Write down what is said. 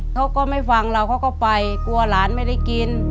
เขาก็ไม่ฟังเราเขาก็ไปกลัวหลานไม่ได้กิน